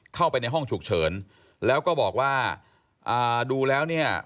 เข้าไปในห้องฉุกเฉินแล้วก็บอกว่าอ่าดูแล้วเนี่ย